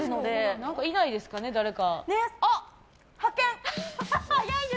何かいないですかね、誰か。